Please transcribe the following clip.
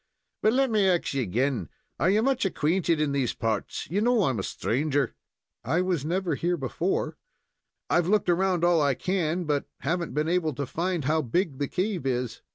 But let me ax you again, are ye much acquainted in these parts? You know I'm a stranger." "I never was here before. I've looked around all I can, but haven't been able to find how big the cave is.